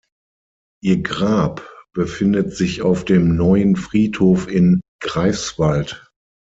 Ihr Grab befindet sich auf dem Neuen Friedhof in Greifswald.